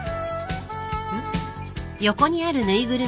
うん？